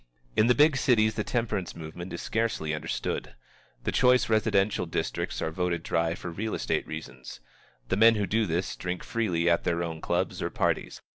In the big cities the temperance movement is scarcely understood. The choice residential districts are voted dry for real estate reasons. The men who do this, drink freely at their own clubs or parties.